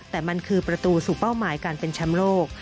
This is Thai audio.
แต่มันคือประตูสู่เป้าหมายการเป็นแชมป์โลก